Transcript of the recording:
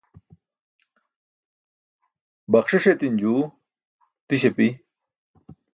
baxṣiṣ etin juu diś api